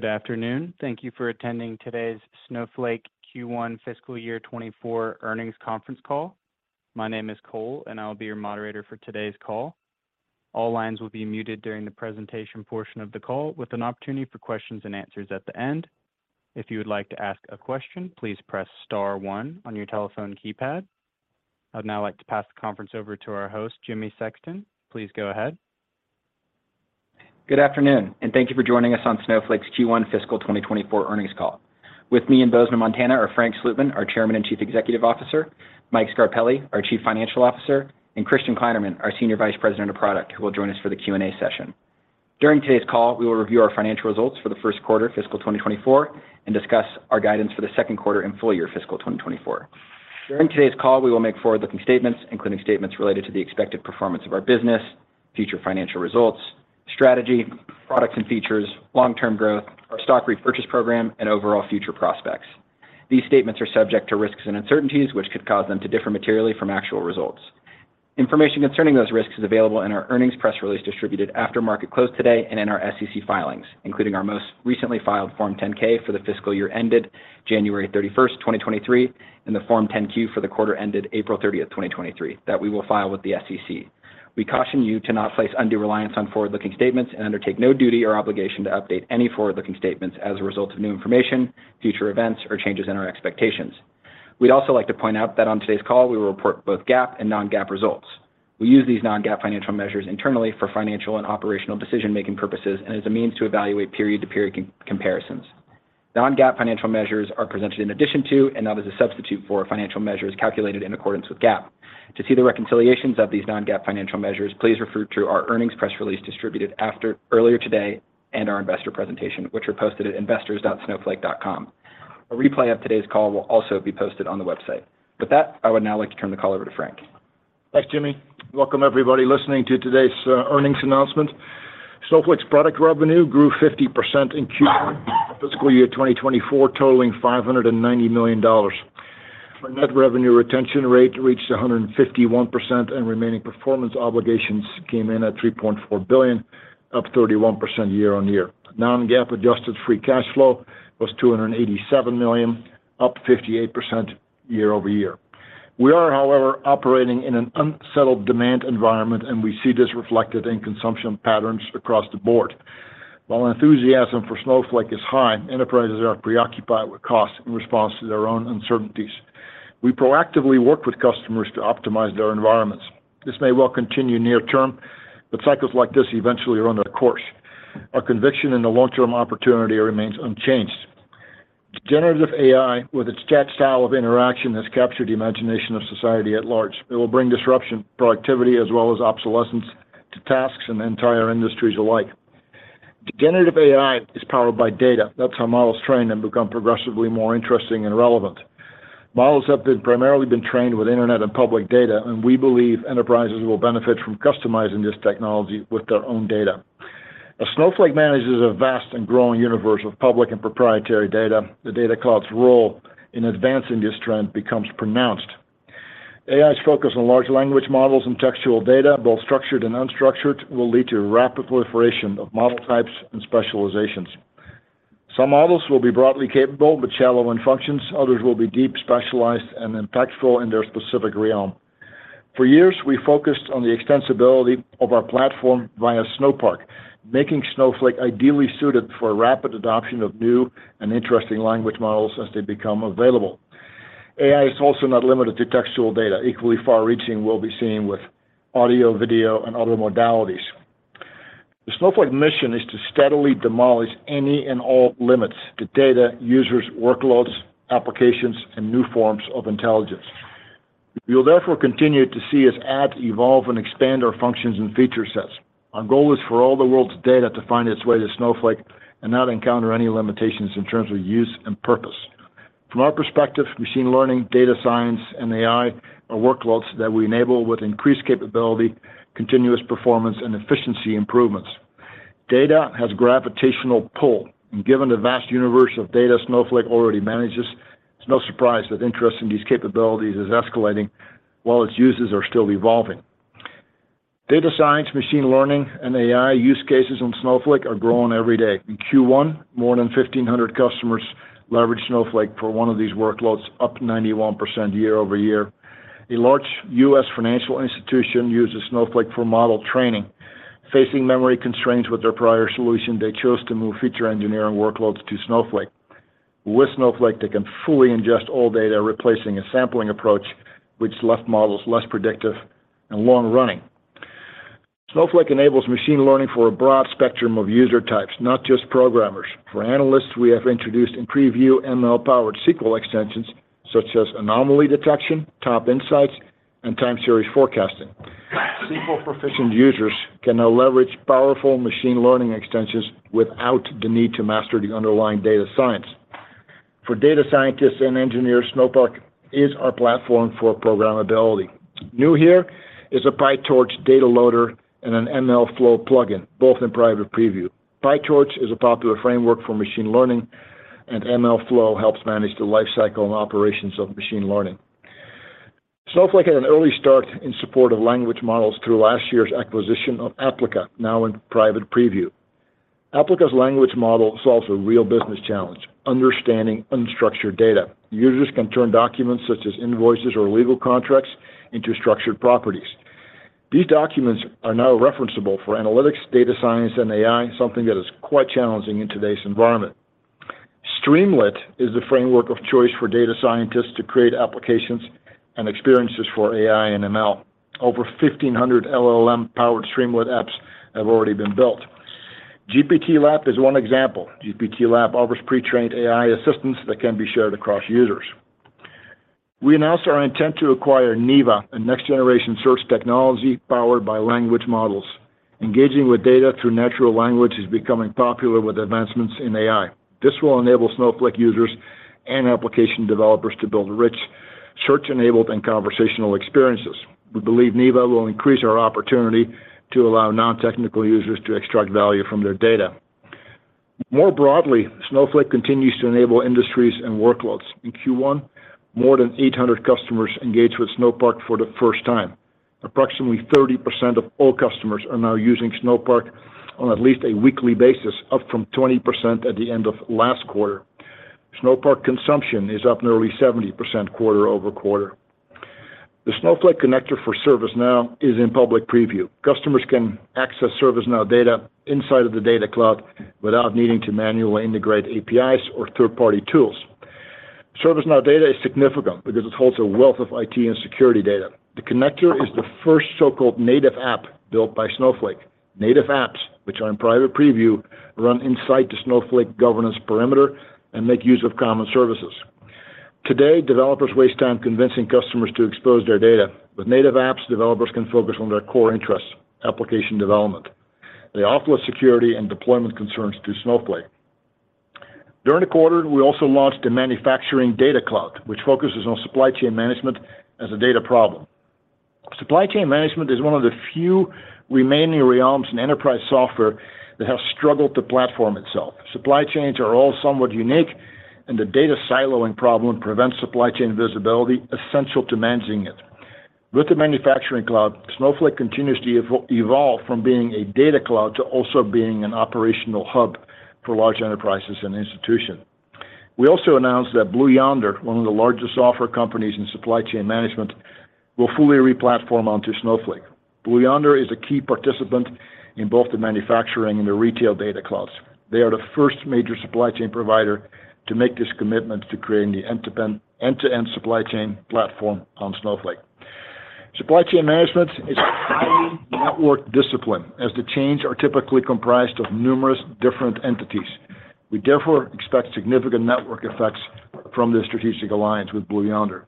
Good afternoon. Thank you for attending today's Snowflake Q1 fiscal year 24 earnings conference call. My name is Cole, and I'll be your moderator for today's call. All lines will be muted during the presentation portion of the call, with an opportunity for questions and answers at the end. If you would like to ask a question, please press star one on your telephone keypad. I'd now like to pass the conference over to our host, Jimmy Sexton. Please go ahead. Good afternoon. Thank you for joining us on Snowflake's Q1 fiscal 2024 earnings call. With me in Bozeman, Montana, are Frank Slootman, our Chairman and Chief Executive Officer, Michael Scarpelli, our Chief Financial Officer, and Christian Kleinerman, our Senior Vice President of Product, who will join us for the Q&A session. During today's call, we will review our financial results for the first quarter fiscal 2024 and discuss our guidance for the second quarter and full year fiscal 2024. During today's call, we will make forward-looking statements, including statements related to the expected performance of our business, future financial results, strategy, products and features, long-term growth, our stock repurchase program, and overall future prospects. These statements are subject to risks and uncertainties, which could cause them to differ materially from actual results. Information concerning those risks is available in our earnings press release distributed after market close today and in our SEC filings, including our most recently filed Form 10-K for the fiscal year ended January 31, 2023, and the Form 10-Q for the quarter ended April 30, 2023, that we will file with the SEC. We caution you to not place undue reliance on forward-looking statements and undertake no duty or obligation to update any forward-looking statements as a result of new information, future events, or changes in our expectations. We'd also like to point out that on today's call, we will report both GAAP and non-GAAP results. We use these non-GAAP financial measures internally for financial and operational decision-making purposes and as a means to evaluate period-to-period comparisons. Non-GAAP financial measures are presented in addition to and not as a substitute for financial measures calculated in accordance with GAAP. To see the reconciliations of these non-GAAP financial measures, please refer to our earnings press release distributed earlier today and our investor presentation, which are posted at investors.snowflake.com. A replay of today's call will also be posted on the website. With that, I would now like to turn the call over to Frank. Thanks, Jimmy. Welcome, everybody listening to today's earnings announcement. Snowflake's product revenue grew 50% in Q1 fiscal year 2024, totaling $590 million. Our net revenue retention rate reached 151%. Remaining performance obligations came in at $3.4 billion, up 31% year-on-year. non-GAAP adjusted free cash flow was $287 million, up 58% year-over-year. We are, however, operating in an unsettled demand environment. We see this reflected in consumption patterns across the board. While enthusiasm for Snowflake is high, enterprises are preoccupied with cost in response to their own uncertainties. We proactively work with customers to optimize their environments. This may well continue near term. Cycles like this eventually run their course. Our conviction in the long-term opportunity remains unchanged. Generative AI, with its chat style of interaction, has captured the imagination of society at large. It will bring disruption, productivity, as well as obsolescence to tasks and entire industries alike. Generative AI is powered by data. That's how models train and become progressively more interesting and relevant. Models have primarily been trained with internet and public data, and we believe enterprises will benefit from customizing this technology with their own data. As Snowflake manages a vast and growing universe of public and proprietary data, the Data Cloud's role in advancing this trend becomes pronounced. AI's focus on large language models and textual data, both structured and unstructured, will lead to rapid proliferation of model types and specializations. Some models will be broadly capable but shallow in functions. Others will be deep, specialized, and impactful in their specific realm. For years, we focused on the extensibility of our platform via Snowpark, making Snowflake ideally suited for rapid adoption of new and interesting language models as they become available. AI is also not limited to textual data. Equally far-reaching will be seen with audio, video, and other modalities. The Snowflake mission is to steadily demolish any and all limits to data, users, workloads, applications, and new forms of intelligence. You'll therefore continue to see us add, evolve, and expand our functions and feature sets. Our goal is for all the world's data to find its way to Snowflake and not encounter any limitations in terms of use and purpose. From our perspective, machine learning, data science, and AI are workloads that we enable with increased capability, continuous performance, and efficiency improvements. Data has gravitational pull. Given the vast universe of data Snowflake already manages, it's no surprise that interest in these capabilities is escalating while its uses are still evolving. Data science, machine learning, and AI use cases on Snowflake are growing every day. In Q1, more than 1,500 customers leveraged Snowflake for one of these workloads, up 91% year-over-year. A large U.S. financial institution uses Snowflake for model training. Facing memory constraints with their prior solution, they chose to move feature engineering workloads to Snowflake. With Snowflake, they can fully ingest all data, replacing a sampling approach, which left models less predictive and long-running. Snowflake enables machine learning for a broad spectrum of user types, not just programmers. For analysts, we have introduced in preview ML-powered SQL extensions, such as Anomaly Detection, Top Insights, and Time-Series Forecasting. SQL-proficient users can now leverage powerful machine learning extensions without the need to master the underlying data science. For data scientists and engineers, Snowpark is our platform for programmability. New here is a PyTorch data loader and an MLflow plugin, both in private preview. PyTorch is a popular framework for machine learning, and MLflow helps manage the lifecycle and operations of machine learning. Snowflake had an early start in support of language models through last year's acquisition of Applica, now in private preview. Applica's language model solves a real business challenge, understanding unstructured data. Users can turn documents such as invoices or legal contracts into structured properties. These documents are now referenceable for analytics, data science, and AI, something that is quite challenging in today's environment. Streamlit is the framework of choice for data scientists to create applications and experiences for AI and ML. Over 1,500 LLM-powered Streamlit apps have already been built. GPTLab is one example. GPTLab offers pre-trained AI assistants that can be shared across users. We announced our intent to acquire Neeva, a next-generation search technology powered by language models. Engaging with data through natural language is becoming popular with advancements in AI. This will enable Snowflake users, and application developers to build rich, search-enabled, and conversational experiences. We believe Neeva will increase our opportunity to allow non-technical users to extract value from their data. More broadly, Snowflake continues to enable industries and workloads. In Q1, more than 800 customers engaged with Snowpark for the first time. Approximately 30% of all customers are now using Snowpark on at least a weekly basis, up from 20% at the end of last quarter. Snowpark consumption is up nearly 70% quarter-over-quarter. The Snowflake connector for ServiceNow is in public preview. Customers can access ServiceNow data inside of the Data Cloud without needing to manually integrate APIs or third-party tools. ServiceNow data is significant because it holds a wealth of IT and security data. The connector is the first so-called Native App built by Snowflake. Native Apps, which are in private preview, run inside the Snowflake governance perimeter, and make use of common services. Today, developers waste time convincing customers to expose their data. With Native Apps, developers can focus on their core interests, application development. They offload security and deployment concerns to Snowflake. During the quarter, we also launched a Manufacturing Data Cloud, which focuses on supply chain management as a data problem. Supply chain management is one of the few remaining realms in enterprise software that have struggled to platform itself. Supply chains are all somewhat unique, and the data siloing problem prevents supply chain visibility essential to managing it. With the Manufacturing Cloud, Snowflake continues to evolve from being a Data Cloud to also being an operational hub for large enterprises and institutions. We also announced that Blue Yonder, one of the largest software companies in supply chain management, will fully re-platform onto Snowflake. Blue Yonder is a key participant in both the Manufacturing and the Retail Data Clouds. They are the first major supply chain provider to make this commitment to creating the end-to-end supply chain platform on Snowflake. Supply chain management is a highly networked discipline, as the chains are typically comprised of numerous different entities. We therefore expect significant network effects from this strategic alliance with Blue Yonder.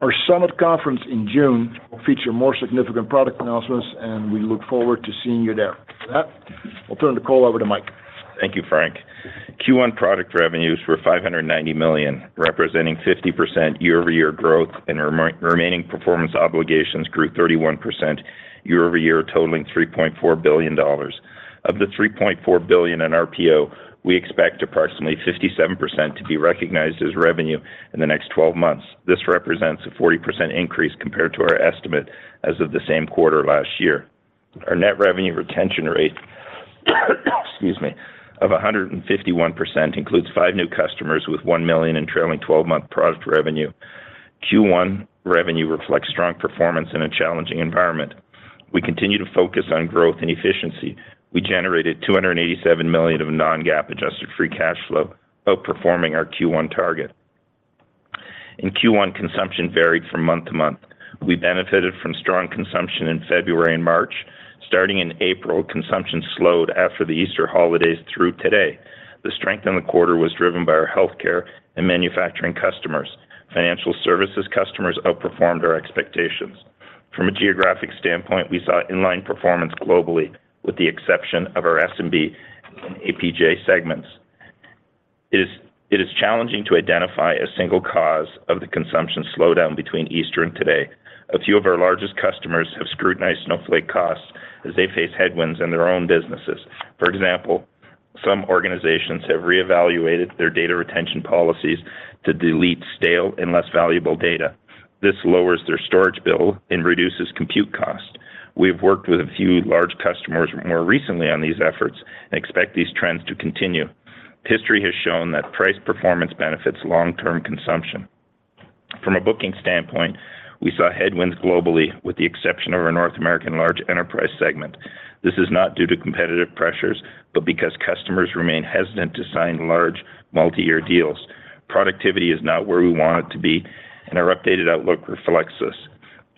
Our Summit conference in June will feature more significant product announcements, and we look forward to seeing you there. With that, I'll turn the call over to Mike. Thank you, Frank. Q1 product revenues were $590 million, representing 50% year-over-year growth. Remaining performance obligations grew 31% year-over-year, totaling $3.4 billion. Of the $3.4 billion in RPO, we expect approximately 57% to be recognized as revenue in the next 12 months. This represents a 40% increase compared to our estimate as of the same quarter last year. Our net revenue retention rate, excuse me, of 151% includes 5 new customers with $1 million in trailing 12-month product revenue. Q1 revenue reflects strong performance in a challenging environment. We continue to focus on growth and efficiency. We generated $287 million of non-GAAP adjusted free cash flow, outperforming our Q1 target. In Q1, consumption varied from month to month. We benefited from strong consumption in February and March. Starting in April, consumption slowed after the Easter holidays through today. The strength in the quarter was driven by our healthcare and manufacturing customers. Financial services customers outperformed our expectations. From a geographic standpoint, we saw in-line performance globally, with the exception of our SMB and APJ segments. It is challenging to identify a single cause of the consumption slowdown between Easter and today. A few of our largest customers have scrutinized Snowflake costs as they face headwinds in their own businesses. For example, some organizations have reevaluated their data retention policies to delete stale and less valuable data. This lowers their storage bill and reduces compute cost. We have worked with a few large customers more recently on these efforts and expect these trends to continue. History has shown that price-performance benefits long-term consumption. From a booking standpoint, we saw headwinds globally, with the exception of our North American large enterprise segment. This is not due to competitive pressures, but because customers remain hesitant to sign large multi-year deals. Productivity is not where we want it to be, and our updated outlook reflects this.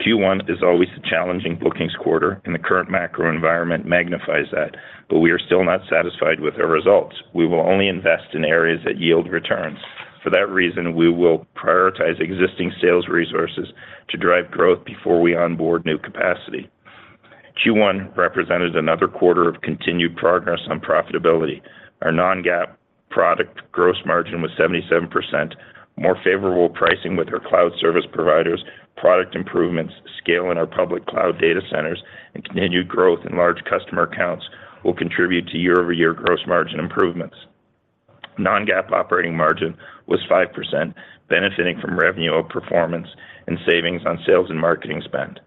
Q1 is always a challenging bookings quarter, and the current macro environment magnifies that, but we are still not satisfied with our results. We will only invest in areas that yield returns. For that reason, we will prioritize existing sales resources to drive growth before we onboard new capacity. Q1 represented another quarter of continued progress on profitability. Our non-GAAP product gross margin was 77%. More favorable pricing with our cloud service providers, product improvements, scale in our public cloud data centers, and continued growth in large customer counts will contribute to year-over-year gross margin improvements. Non-GAAP operating margin was 5%, benefiting from revenue of performance and savings on sales and marketing spend.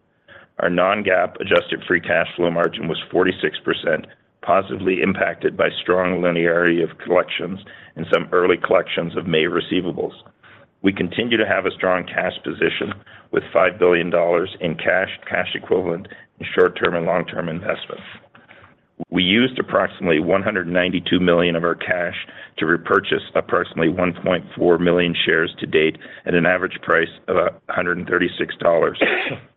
Our non-GAAP adjusted free cash flow margin was 46%, positively impacted by strong linearity of collections and some early collections of May receivables. We continue to have a strong cash position with $5 billion in cash equivalent in short-term and long-term investments. We used approximately $192 million of our cash to repurchase approximately 1.4 million shares to date at an average price of $136.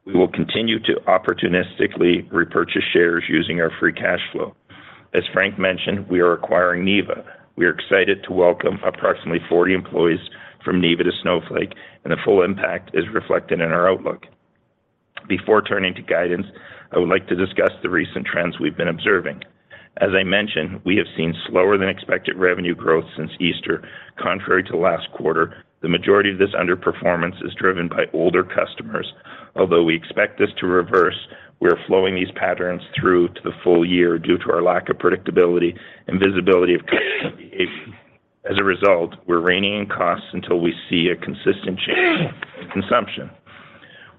We will continue to opportunistically repurchase shares using our free cash flow. As Frank mentioned, we are acquiring Neeva. We are excited to welcome approximately 40 employees from Neeva to Snowflake, and the full impact is reflected in our outlook. Before turning to guidance, I would like to discuss the recent trends we've been observing. As I mentioned, we have seen slower than expected revenue growth since Easter. Contrary to last quarter, the majority of this underperformance is driven by older customers. Although we expect this to reverse, we are flowing these patterns through to the full year due to our lack of predictability and visibility of customer behavior. As a result, we're reining in costs until we see a consistent change in consumption.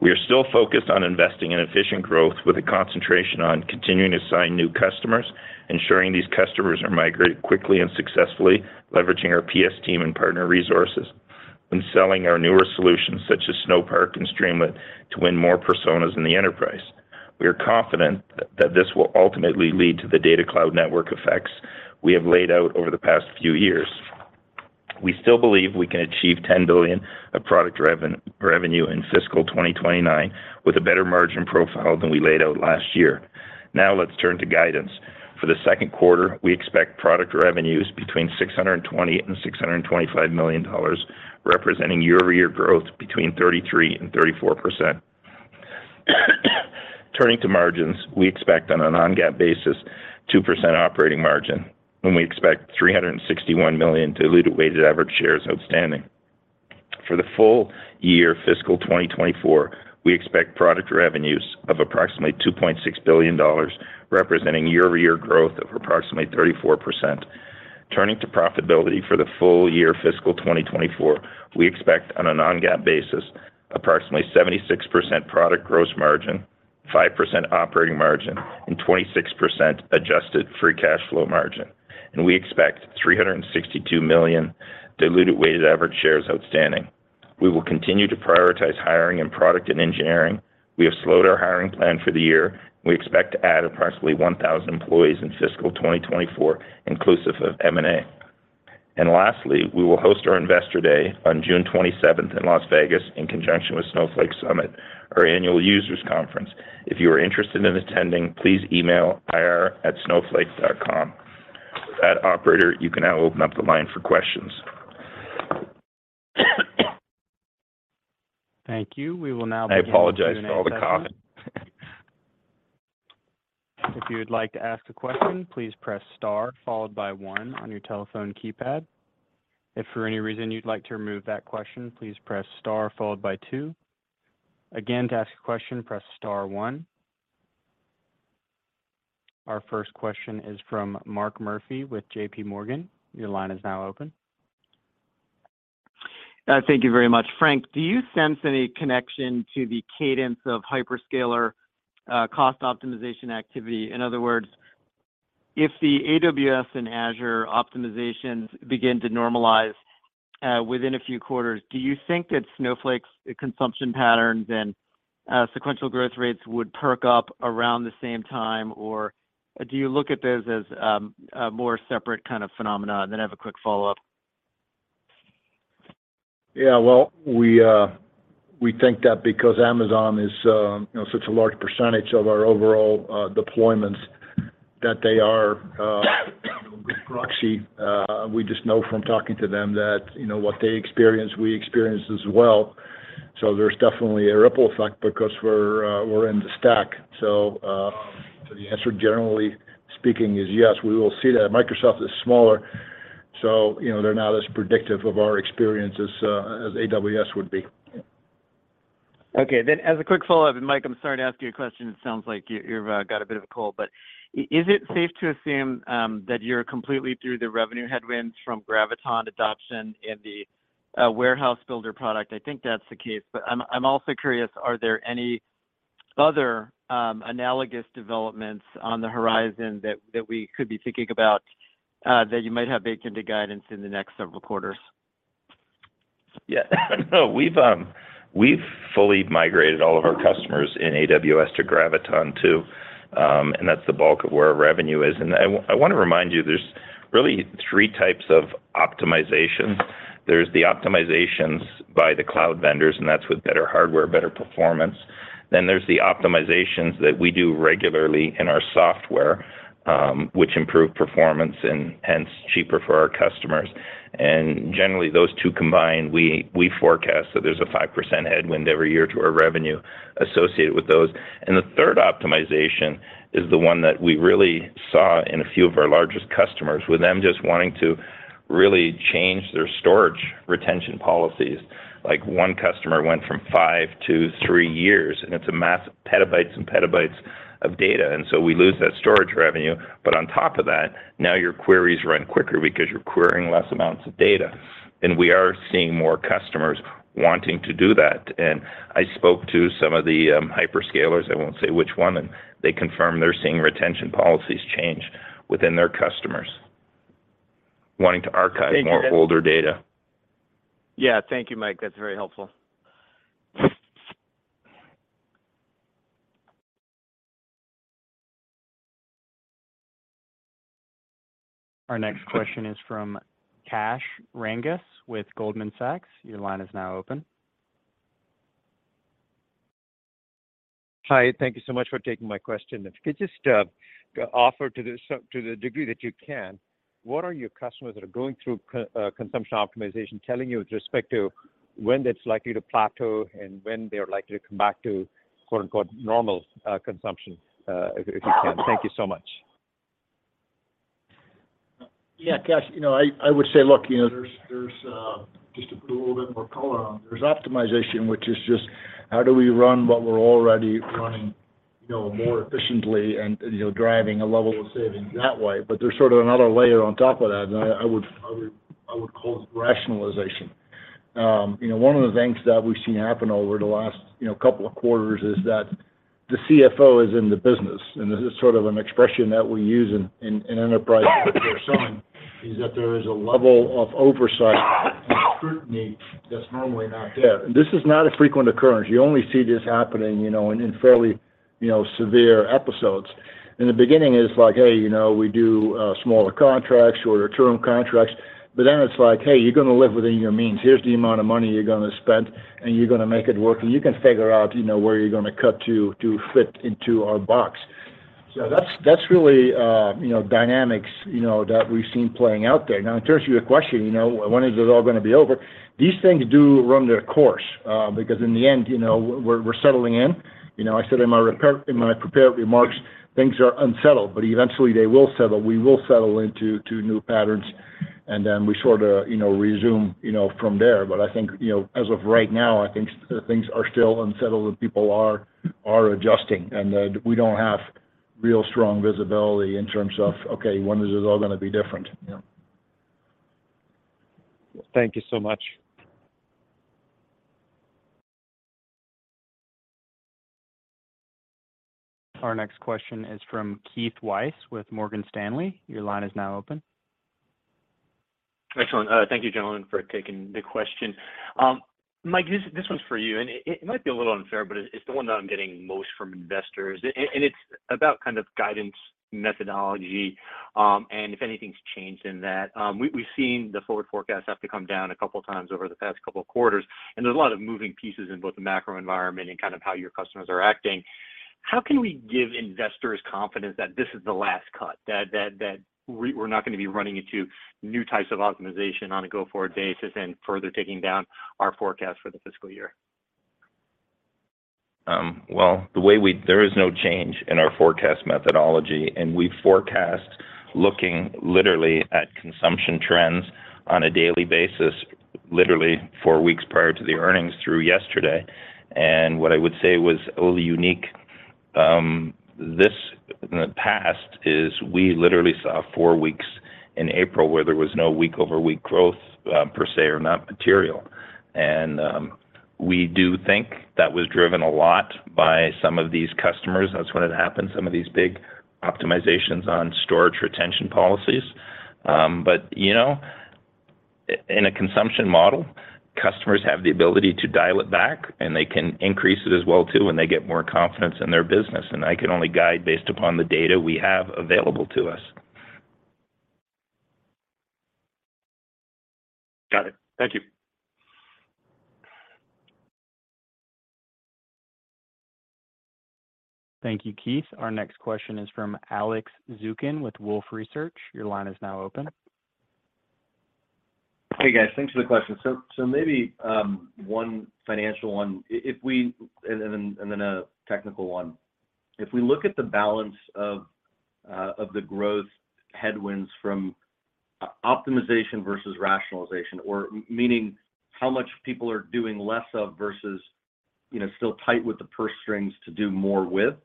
We are still focused on investing in efficient growth with a concentration on continuing to sign new customers, ensuring these customers are migrated quickly and successfully, leveraging our PS team and partner resources, and selling our newer solutions, such as Snowpark and Streamlit, to win more personas in the enterprise. We are confident that this will ultimately lead to the Data Cloud network effects we have laid out over the past few years. We still believe we can achieve $10 billion of product revenue in fiscal 2029 with a better margin profile than we laid out last year. Let's turn to guidance. For the second quarter, we expect product revenues between $620 million and $625 million, representing year-over-year growth between 33% and 34%. Turning to margins, we expect on a non-GAAP basis, 2% operating margin, and we expect 361 million diluted weighted average shares outstanding. For the full year fiscal 2024, we expect product revenues of approximately $2.6 billion, representing year-over-year growth of approximately 34%. Turning to profitability for the full year fiscal 2024, we expect on a non-GAAP basis, approximately 76% product gross margin, 5% operating margin, and 26% adjusted free cash flow margin. We expect 362 million diluted weighted average shares outstanding. We will continue to prioritize hiring in product and engineering. We have slowed our hiring plan for the year. We expect to add approximately 1,000 employees in fiscal 2024, inclusive of M&A. Lastly, we will host our Investor Day on June 27th in Las Vegas in conjunction with Snowflake Summit, our annual users conference. If you are interested in attending, please email ir@snowflake.com. Operator, you can now open up the line for questions. Thank you. We will now begin. I apologize for all the coughing. If you would like to ask a question, please press star followed by one on your telephone keypad. If for any reason you'd like to remove that question, please press star followed by two. Again, to ask a question, press star one. Our first question is from Mark Murphy with J.P. Morgan. Your line is now open. Thank you very much. Frank, do you sense any connection to the cadence of hyperscaler cost optimization activity? In other words, if the AWS and Azure optimizations begin to normalize within a few quarters, do you think that Snowflake's consumption patterns and sequential growth rates would perk up around the same time? Do you look at those as more separate kind of phenomena? I have a quick follow-up. Yeah, well, we think that because Amazon is, you know, such a large percentage of our overall deployments, that they are a good proxy. We just know from talking to them that, you know, what they experience, we experience as well. There's definitely a ripple effect because we're in the stack. The answer, generally speaking, is yes, we will see that. Microsoft is smaller, so you know, they're not as predictive of our experience as AWS would be. Okay. As a quick follow-up, Mike, I'm sorry to ask you a question. It sounds like you've got a bit of a cold. Is it safe to assume that you're completely through the revenue headwinds from Graviton adoption in the Virtual Warehouse product? I think that's the case. I'm also curious, are there any other analogous developments on the horizon that we could be thinking about that you might have baked into guidance in the next several quarters? No, we've fully migrated all of our customers in AWS to Graviton2, and that's the bulk of where our revenue is. I want to remind you, there's really three types of optimization. There's the optimizations by the cloud vendors, and that's with better hardware, better performance. There's the optimizations that we do regularly in our software, which improve performance and hence cheaper for our customers. Generally, those two combined, we forecast that there's a 5% headwind every year to our revenue associated with those. The third optimization is the one that we really saw in a few of our largest customers, with them just wanting to really change their storage retention policies. Like one customer went from five to three years, and it's a mass petabytes and petabytes of data, and so we lose that storage revenue. On top of that, now your queries run quicker because you're querying less amounts of data. We are seeing more customers wanting to do that. I spoke to some of the hyperscalers, I won't say which one, and they confirmed they're seeing retention policies change within their customers wanting to archive. Thank you, Mike more older data. Yeah. Thank you, Mike. That's very helpful. Our next question is from Kash Rangan with Goldman Sachs. Your line is now open. Hi. Thank you so much for taking my question. If you could just offer to the degree that you can, what are your customers that are going through consumption optimization telling you with respect to when that's likely to plateau and when they're likely to come back to, quote-unquote, "normal," consumption, if you can? Thank you so much. Yeah, Kash. You know, I would say, look, you know, there's. Just to put a little bit more color on, there's optimization, which is just how do we run what we're already running, you know, more efficiently and, you know, driving a level of savings that way. There's sort of another layer on top of that, and I would call it rationalization. You know, one of the things that we've seen happen over the last, you know, couple of quarters is that the Chief Financial Officer is in the business, and this is sort of an expression that we use in enterprise that we're selling, is that there is a level of oversight and scrutiny that's normally not there. This is not a frequent occurrence. You only see this happening, you know, in fairly, you know, severe episodes. In the beginning, it's like, "Hey, you know, we do smaller contracts, shorter term contracts." It's like, "Hey, you're gonna live within your means. Here's the amount of money you're gonna spend, and you're gonna make it work, and you can figure out, you know, where you're gonna cut to fit into our box." That's, that's really, you know, dynamics, you know, that we've seen playing out there. In terms of your question, you know, when is this all gonna be over, these things do run their course, because in the end, you know, we're settling in. You know, I said in my prepared remarks, things are unsettled, but eventually they will settle. We will settle into new patterns, and then we sort of, you know, resume, you know, from there. I think, you know, as of right now, I think things are still unsettled and people are adjusting, and we don't have real strong visibility in terms of, okay, when is this all gonna be different, you know? Thank you so much. Our next question is from Keith Weiss with Morgan Stanley. Your line is now open. Excellent. Thank you, gentlemen, for taking the question. Mike, this one's for you, and it might be a little unfair, but it's the one that I'm getting most from investors. It's about kind of guidance methodology, and if anything's changed in that. We've seen the forward forecast have to come down a couple times over the past couple quarters, and there's a lot of moving pieces in both the macro environment and kind of how your customers are acting. How can we give investors confidence that this is the last cut, that we're not gonna be running into new types of optimization on a go-forward basis and further taking down our forecast for the fiscal year? Well, the way we There is no change in our forecast methodology, we forecast looking literally at consumption trends on a daily basis, literally four weeks prior to the earnings through yesterday. What I would say was a little unique, this in the past is we literally saw four weeks in April where there was no week-over-week growth, per se, or not material. We do think that was driven a lot by some of these customers. That's when it happened, some of these big optimizations on storage retention policies. You know, in a consumption model, customers have the ability to dial it back, and they can increase it as well, too, when they get more confidence in their business, I can only guide based upon the data we have available to us. Got it. Thank you. Thank you, Keith. Our next question is from Alex Zukin with Wolfe Research. Your line is now open. Hey, guys. Thanks for the question. Maybe one financial one and then a technical one. If we look at the balance of the growth headwinds from optimization versus rationalization or meaning how much people are doing less of versus, you know, still tight with the purse strings to do more with,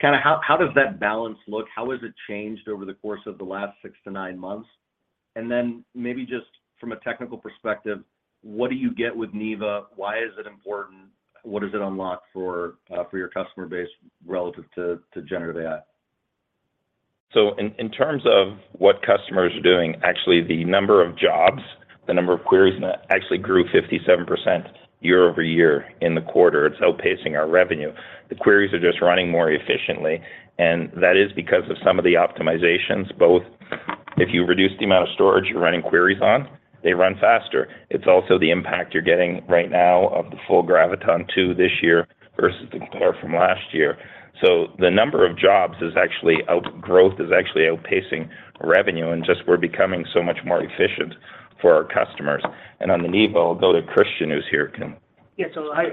kind of how does that balance look? How has it changed over the course of the last six to nine months? Maybe just from a technical perspective, what do you get with Neeva? Why is it important? What does it unlock for your customer base relative to Generative AI? In terms of what customers are doing, actually the number of jobs, the number of queries in that actually grew 57% year-over-year in the quarter. It's outpacing our revenue. The queries are just running more efficiently, and that is because of some of the optimizations, both if you reduce the amount of storage you're running queries on, they run faster. It's also the impact you're getting right now of the full Graviton2 this year versus the core from last year. The number of jobs is actually outpacing revenue, and just we're becoming so much more efficient for our customers. On the Neeva, I'll go to Christian, who's here. Yeah. Hi,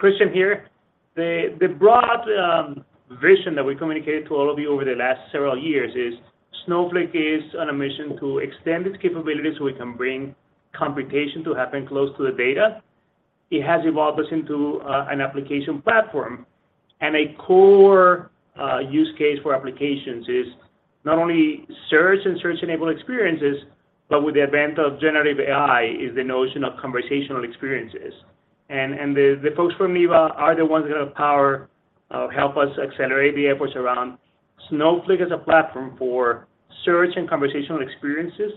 Christian here. The broad vision that we communicated to all of you over the last several years is Snowflake is on a mission to extend its capabilities so we can bring computation to happen close to the data. It has evolved us into an application platform. A core use case for applications is not only search and search-enabled experiences, but with the advent of generative AI is the notion of conversational experiences. The folks from Neeva are the ones that have power, help us accelerate the efforts around Snowflake as a platform for search and conversational experiences.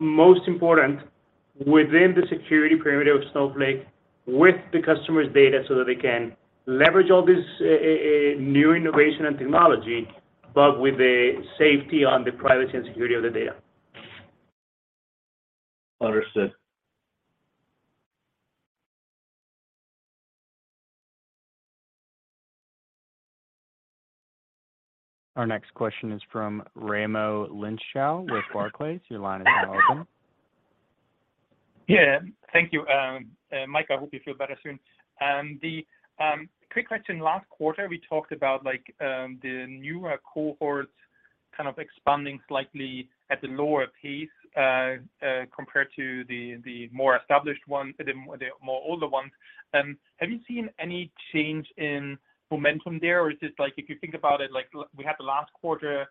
Most important, within the security perimeter of Snowflake with the customer's data so that they can leverage all this new innovation and technology, but with the safety on the privacy and security of the data. Understood. Our next question is from Raimo Lenschow with Barclays. Your line is now open. Yeah. Thank you. Mike, I hope you feel better soon. The quick question, last quarter, we talked about, like, the newer cohorts kind of expanding slightly at a lower pace, compared to the more established ones, the more older ones. Have you seen any change in momentum there? Is it, like, if you think about it, like, we had the last quarter,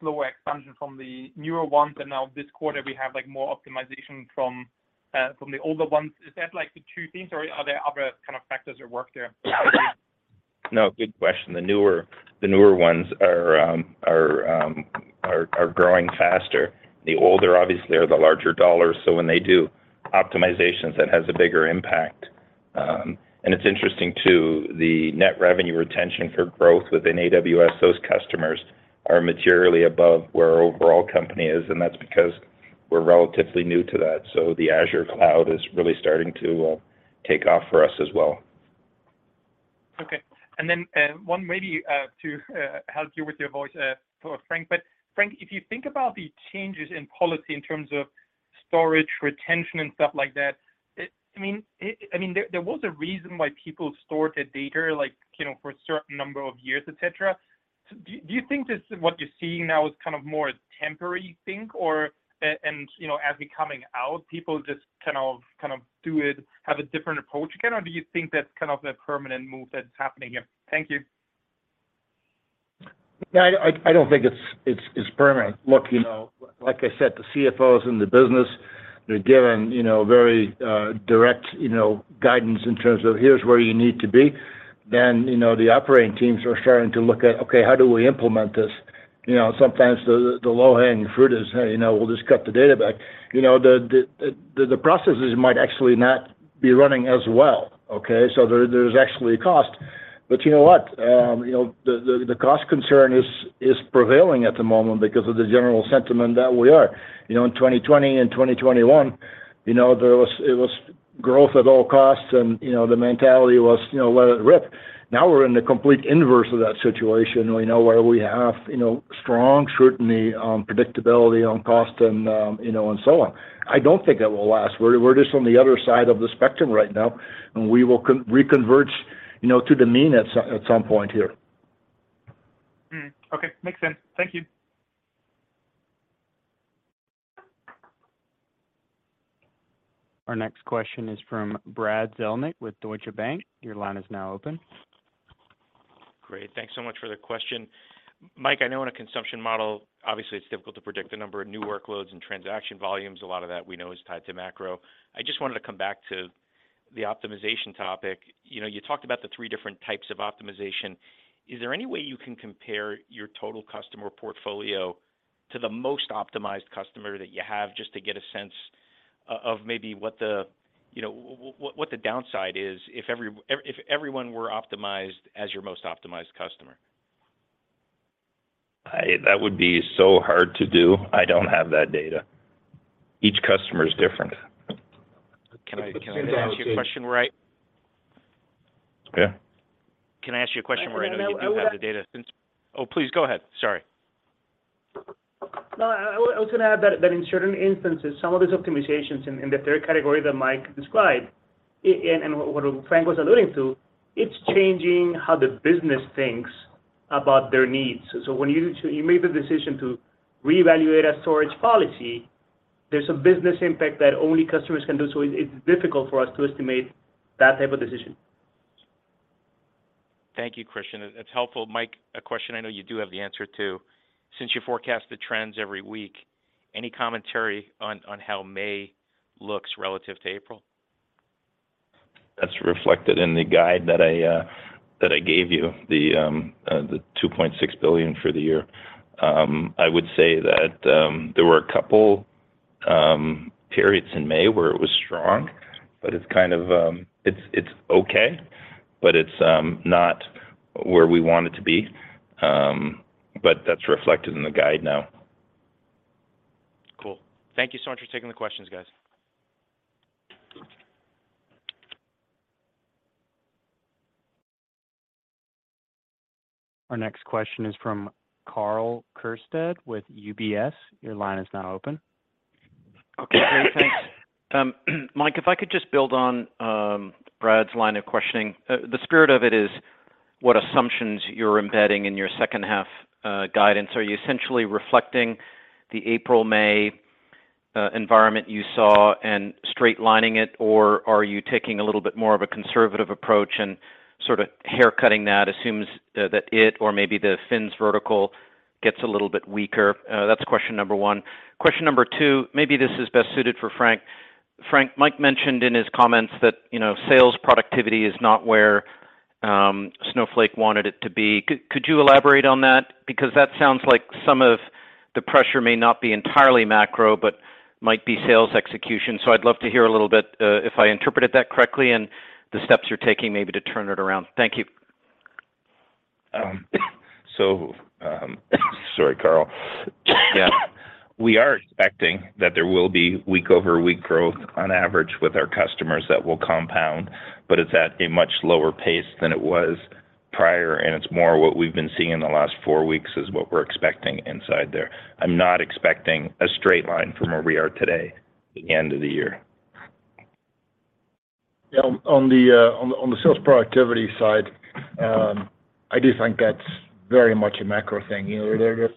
slower expansion from the newer ones, and now this quarter, we have, like, more optimization from the older ones. Is that, like, the two themes, or are there other kind of factors at work there? No, good question. The newer ones are growing faster. The older, obviously, are the larger dollars, so when they do optimizations, it has a bigger impact. And it's interesting, too, the net revenue retention for growth within AWS, those customers are materially above where our overall company is, and that's because we're relatively new to that. The Azure cloud is really starting to take off for us as well. Okay. Then, one maybe to help you with your voice for Frank. Frank, if you think about the changes in policy in terms of storage, retention, and stuff like that, I mean, there was a reason why people stored the data, like, you know, for a certain number of years, etc.. Do you think this, what you're seeing now is kind of more a temporary thing, or, and, you know, as we coming out, people just kind of do it, have a different approach again? Or do you think that's kind of a permanent move that's happening here? Thank you. Yeah, I don't think it's, it's permanent. Look, you know, like I said, the Chief Financial Officers in the business, they're given, you know, very, direct, you know, guidance in terms of here's where you need to be. You know, the operating teams are starting to look at, "Okay, how do we implement this?" You know, sometimes the low-hanging fruit is, "Hey, you know, we'll just cut the data back." You know, the processes might actually not be running as well, okay? There, there's actually a cost. You know what? You know, the cost concern is prevailing at the moment because of the general sentiment that we are. You know, in 2020 and 2021, you know, it was growth at all costs and, you know, the mentality was, you know, let it rip. Now we're in the complete inverse of that situation, you know, where we have, you know, strong scrutiny on predictability, on cost, and, you know, and so on. I don't think that will last. We're just on the other side of the spectrum right now, and we will reconverge, you know, to the mean at some point here. Okay. Makes sense. Thank you. Our next question is from Brad Zelnick with Deutsche Bank. Your line is now open. Great. Thanks so much for the question. Mike, I know in a consumption model, obviously it's difficult to predict the number of new workloads and transaction volumes. A lot of that, we know, is tied to macro. I just wanted to come back to the optimization topic. You know, you talked about the three different types of optimization. Is there any way you can compare your total customer portfolio to the most optimized customer that you have just to get a sense of maybe what the, you know, what the downside is if everyone were optimized as your most optimized customer? That would be so hard to do. I don't have that data. Each customer is different. Can I ask you a question? Yeah. Can I ask you a question where I know you do have the data since. Oh, please go ahead. Sorry. I was gonna add that in certain instances, some of these optimizations in the third category that Mike described and what Frank was alluding to, it's changing how the business thinks about their needs. When you make the decision to reevaluate a storage policy, there's a business impact that only customers can do. It's difficult for us to estimate that type of decision. Thank you, Christian. It's helpful. Mike, a question I know you do have the answer to. Since you forecast the trends every week, any commentary on how May looks relative to April? That's reflected in the guide that I, that I gave you, the $2.6 billion for the year. I would say that, there were a couple, periods in May where it was strong, but it's kind of, it's okay, but it's, not where we want it to be. That's reflected in the guide now. Cool. Thank you so much for taking the questions, guys. Our next question is from Karl Keirstead with UBS. Your line is now open. Okay. Great. Thanks. Mike, if I could just build on Brad's line of questioning. The spirit of it is what assumptions you're embedding in your second half guidance. Are you essentially reflecting the April-May environment you saw and straight lining it, or are you taking a little bit more of a conservative approach and sort of haircutting that assumes that it or maybe the fins vertical gets a little bit weaker? That's question number one. Question number two, maybe this is best suited for Frank. Frank, Mike mentioned in his comments that, you know, sales productivity is not where Snowflake wanted it to be. Could you elaborate on that? Because that sounds like some of the pressure may not be entirely macro, but might be sales execution. I'd love to hear a little bit, if I interpreted that correctly and the steps you're taking maybe to turn it around. Thank you. Sorry Karl. Yeah. We are expecting that there will be week-over-week growth on average with our customers that will compound, but it's at a much lower pace than it was prior, and it's more what we've been seeing in the last four weeks is what we're expecting inside there. I'm not expecting a straight line from where we are today the end of the year. Yeah. On the sales productivity side, I do think that's very much a macro thing. You know, there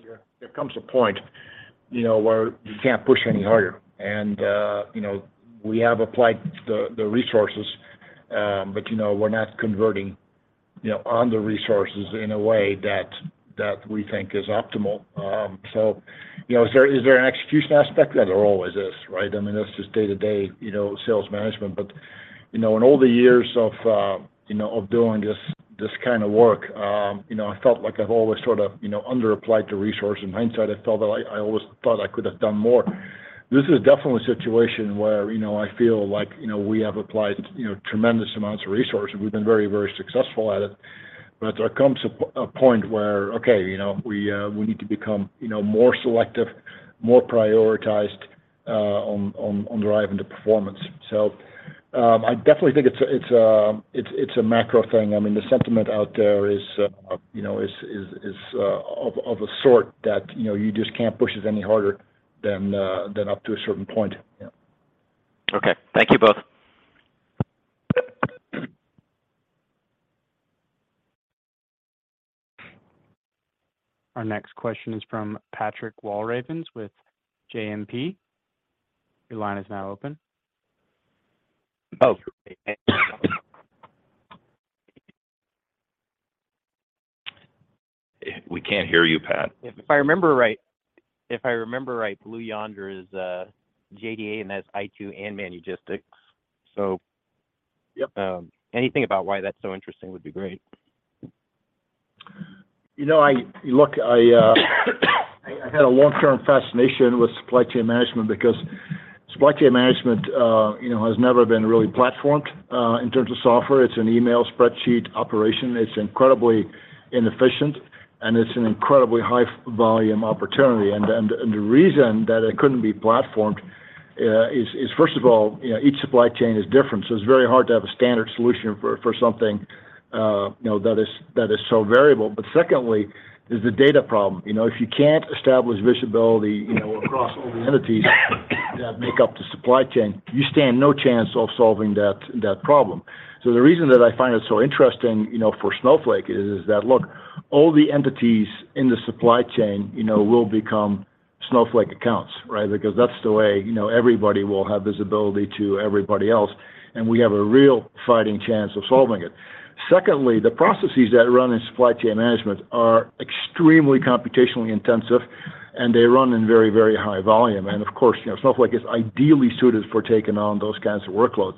comes a point, you know, where you can't push any harder. You know, we have applied the resources, but, you know, we're not converting, you know, on the resources in a way that we think is optimal. You know, is there an execution aspect? There always is, right? I mean, that's just day-to-day, you know, sales management. You know, in all the years of, you know, of doing this kind of work, you know, I felt like I've always sort of, you know, under applied to resource. In hindsight, I felt like I always thought I could have done more. This is definitely a situation where, you know, I feel like, you know, we have applied, you know, tremendous amounts of resources. We've been very, very successful at it. There comes a point where, okay, you know, we need to become, you know, more selective, more prioritized, on driving the performance. I definitely think it's a, it's, it's a macro thing. I mean, the sentiment out there is, you know, is, of a sort that, you know, you just can't push it any harder than up to a certain point. Yeah. Okay. Thank you both. Our next question is from Patrick Walravens with JMP. Your line is now open. Oh. We can't hear you, Pat. If I remember right, Blue Yonder is JDA, and that's i2 Technologies and Manugistics. Yep. Anything about why that's so interesting would be great. You know, I had a long-term fascination with supply chain management because supply chain management, you know, has never been really platformed in terms of software. It's an email spreadsheet operation. It's incredibly inefficient, and it's an incredibly high volume opportunity. The reason that it couldn't be platformed is first of all, you know, each supply chain is different, so it's very hard to have a standard solution for something, you know, that is so variable. Secondly is the data problem. You know, if you can't establish visibility, you know, across all the entities that make up the supply chain, you stand no chance of solving that problem. The reason that I find it so interesting, you know, for Snowflake is that, look, all the entities in the supply chain, you know, will become Snowflake accounts, right? Because that's the way, you know, everybody will have visibility to everybody else, and we have a real fighting chance of solving it. Secondly, the processes that run in supply chain management are extremely computationally intensive, and they run in very, very high volume. Of course, you know, Snowflake is ideally suited for taking on those kinds of workloads.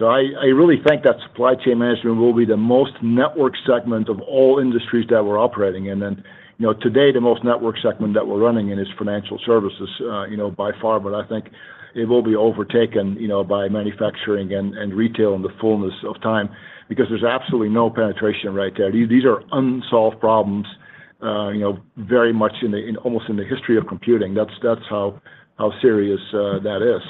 I really think that supply chain management will be the most network segment of all industries that we're operating in. You know, today the most network segment that we're running in is financial services, you know, by far. I think it will be overtaken, you know, by manufacturing and retail in the fullness of time because there's absolutely no penetration right there. These are unsolved problems, you know, very much in almost in the history of computing. That's how serious that is.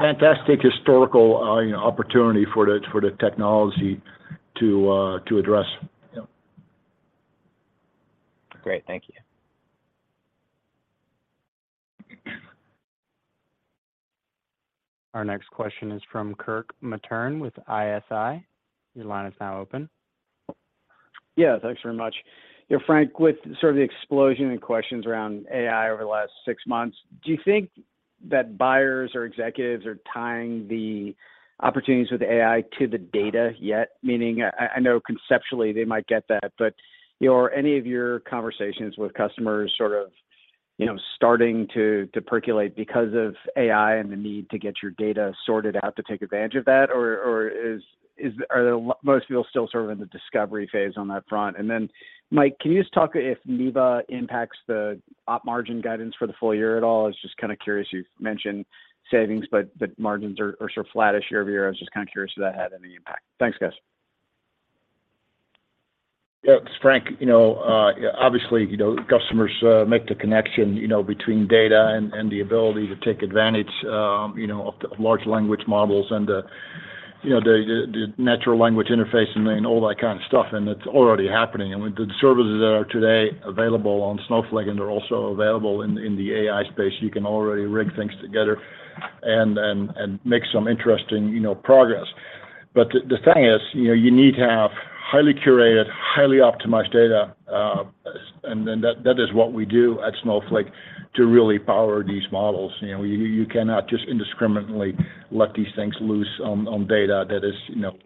Fantastic historical, you know, opportunity for the technology to address. Yeah. Great. Thank you. Our next question is from Kirk Materne with ISI. Your line is now open. Yeah. Thanks very much. Yeah, Frank, with sort of the explosion in questions around AI over the last six months, do you think that buyers or executives are tying the opportunities with AI to the data yet? Meaning, I know conceptually they might get that, but, you know, are any of your conversations with customers sort of, you know, starting to percolate because of AI and the need to get your data sorted out to take advantage of that? Or are most people still sort of in the discovery phase on that front? Mike, can you just talk if Neeva impacts the Op margin guidance for the full year at all? I was just kind of curious. You've mentioned savings, but margins are sort of flattish year-over-year. I was just kind of curious if that had any impact. Thanks, guys. Yeah. It's Frank. You know, obviously, you know, customers make the connection, you know, between data and the ability to take advantage, you know, of the large language models and the, you know, the, the natural language interface and all that kind of stuff, and it's already happening. With the services that are today available on Snowflake, and they're also available in the AI space, you can already rig things together and, and make some interesting, you know, progress. The thing is, you know, you need to have highly curated, highly optimized data, and then that is what we do at Snowflake to really power these models. You know, you cannot just indiscriminately let these things loose on data that is, you know,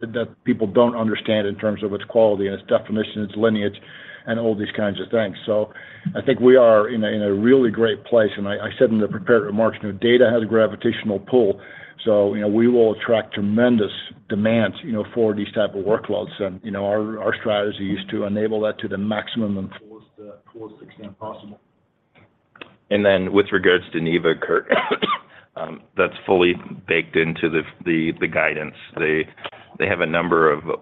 that people don't understand in terms of its quality, and its definition, its lineage, and all these kinds of things. I think we are in a really great place. I said in the prepared remarks, you know, data has a gravitational pull, so, you know, we will attract tremendous demands, you know, for these type of workloads. You know, our strategy is to enable that to the maximum and fullest extent possible. With regards to Neeva, Kirk, that's fully baked into the guidance.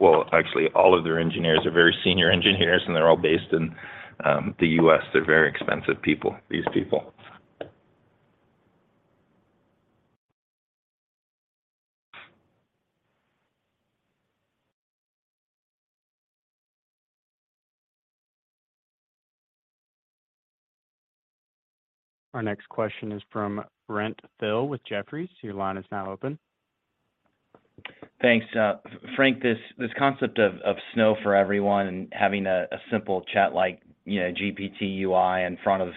Well, actually, all of their engineers are very senior engineers, and they're all based in, the U.S. They're very expensive people, these people. Our next question is from Brent Thill with Jefferies. Your line is now open. Thanks. Frank, this concept of Snow for everyone and having a simple chat like, you know, GPT UI in front of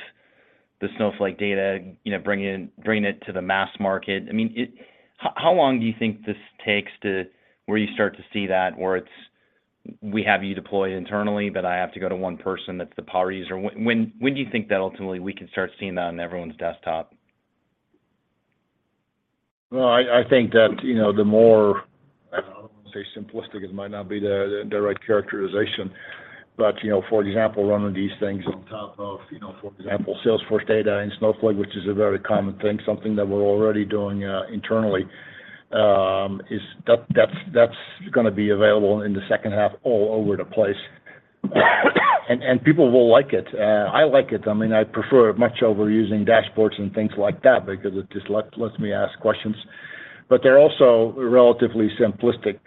the Snowflake data, you know, bringing it to the mass market. I mean, How long do you think this takes to where you start to see that, where it's, we have you deployed internally, but I have to go to one person that's the power user? When do you think that ultimately we can start seeing that on everyone's desktop? Well, I think that, you know, the more, I don't wanna say simplistic, it might not be the direct characterization, but, you know, for example, running these things on top of, you know, for example, Salesforce data in Snowflake, which is a very common thing, something that we're already doing internally. That's gonna be available in the second half all over the place, and people will like it. I like it. I mean, I prefer it much over using dashboards and things like that because it just lets me ask questions. They're also relatively simplistic,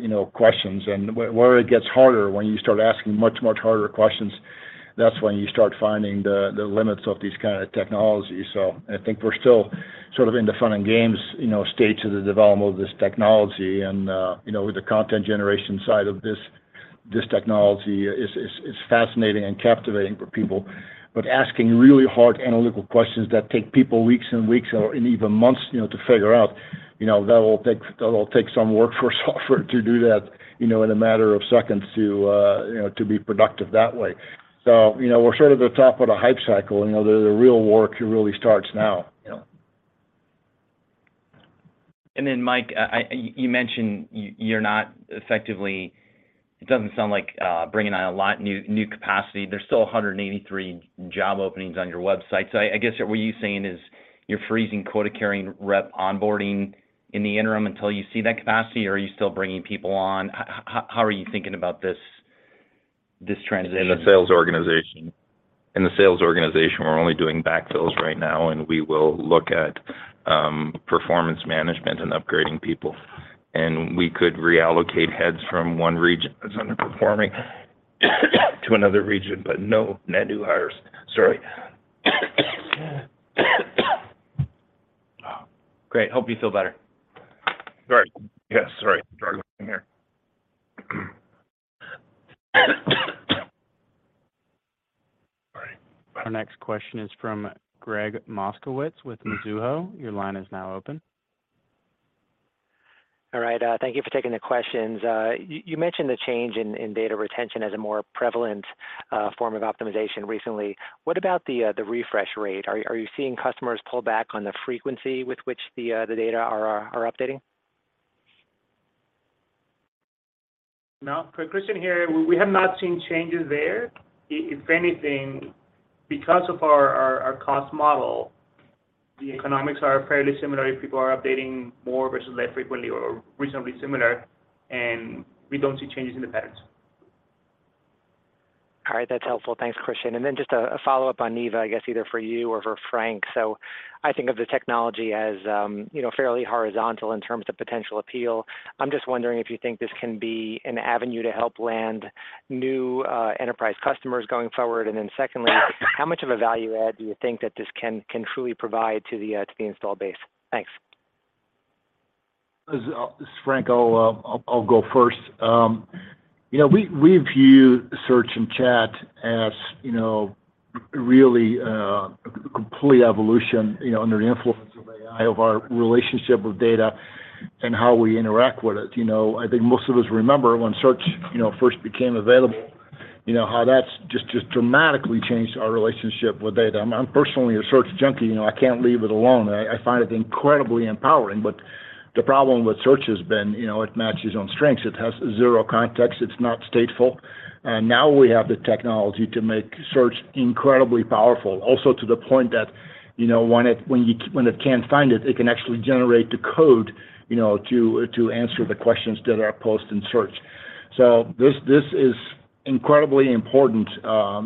you know, questions. Where it gets harder when you start asking much harder questions, that's when you start finding the limits of these kinda technologies. I think we're still sort of in the fun and games, you know, stage of the development of this technology. With the content generation side of this technology is fascinating and captivating for people. Asking really hard analytical questions that take people weeks and weeks or, and even months, you know, to figure out, you know, that'll take some workforce software to do that, you know, in a matter of seconds to, you know, to be productive that way. We're sort of the top of the hype cycle. You know, the real work really starts now, you know. Mike, you mentioned you're not effectively it doesn't sound like bringing on a lot new capacity. There's still 183 job openings on your website. I guess what you're saying is you're freezing quota-carrying rep onboarding in the interim until you see that capacity? Or are you still bringing people on? How are you thinking about this transition? In the sales organization. In the sales organization, we're only doing backfills right now, and we will look at, performance management and upgrading people. We could reallocate heads from one region that's underperforming to another region, but no net new hires. Sorry. Great. Hope you feel better. Sorry. Yeah, sorry. Struggle here. Sorry. Our next question is from Gregg Moskowitz with Mizuho. Your line is now open. All right. Thank you for taking the questions. You mentioned the change in data retention as a more prevalent form of optimization recently. What about the refresh rate? Are you seeing customers pull back on the frequency with which the data are updating? No. Christian here. We have not seen changes there. If anything, because of our cost model, the economics are fairly similar if people are updating more versus less frequently or reasonably similar, and we don't see changes in the patterns. All right. That's helpful. Thanks, Christian. Just a follow-up on Neeva, I guess either for you or for Frank. I think of the technology as, you know, fairly horizontal in terms of potential appeal. I'm just wondering if you think this can be an avenue to help land new enterprise customers going forward. Secondly, how much of a value add do you think that this can truly provide to the installed base? Thanks. This is Frank. I'll go first. You know, we view search and chat as, you know, really a complete evolution, you know, under the influence of AI, of our relationship with data and how we interact with it. You know, I think most of us remember when search, you know, first became available, you know, how that's just dramatically changed our relationship with data. I'm personally a search junkie, you know, I can't leave it alone. I find it incredibly empowering. The problem with search has been, you know, it matches on strengths. It has zero context. It's not stateful. Now we have the technology to make search incredibly powerful. To the point that, you know, when it can't find it can actually generate the code, you know, to answer the questions that are post in search. This is incredibly important,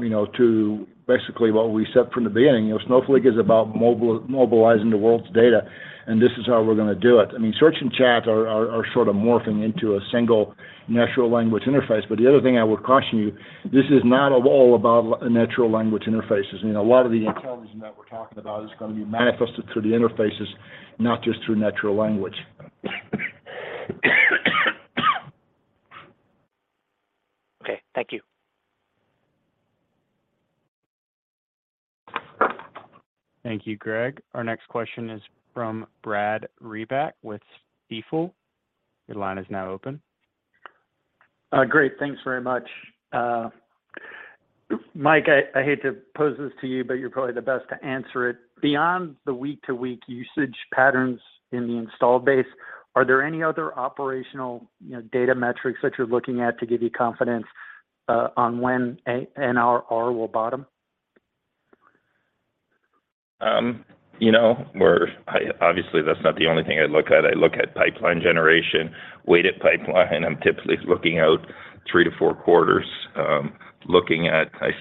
you know, to basically what we said from the beginning. You know, Snowflake is about mobilizing the world's data, and this is how we're gonna do it. I mean, search and chat are sort of morphing into a single natural language interface. The other thing I would caution you, this is not at all about natural language interfaces. You know, a lot of the Talking about is going to be manifested through the interfaces, not just through natural language. Okay. Thank you. Thank you, Greg. Our next question is from Brad Reback with Stifel. Your line is now open. Great. Thanks very much. Mike, I hate to pose this to you, but you're probably the best to answer it. Beyond the week-to-week usage patterns in the installed base, are there any other operational, you know, data metrics that you're looking at to give you confidence on when NRR will bottom? You know, I obviously, that's not the only thing I look at. I look at pipeline generation, weighted pipeline. I'm typically looking out three to four quarters. I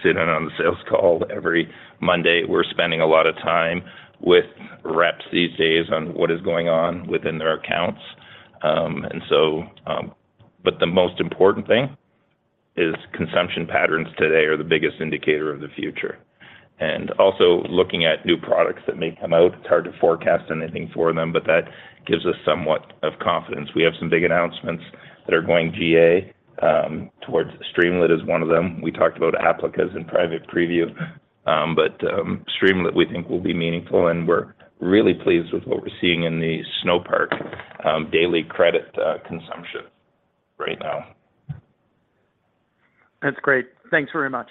sit in on the sales call every Monday. We're spending a lot of time with reps these days on what is going on within their accounts. But the most important thing is consumption patterns today are the biggest indicator of the future. Also looking at new products that may come out, it's hard to forecast anything for them, but that gives us somewhat of confidence. We have some big announcements that are going GA, towards Streamlit is one of them. We talked about Applica in private preview, but Streamlit we think will be meaningful, and we're really pleased with what we're seeing in the Snowpark daily credit consumption right now. That's great. Thanks very much.